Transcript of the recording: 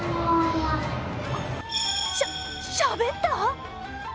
しゃ、しゃべった！